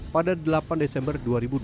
pada delapan desember dua ribu dua puluh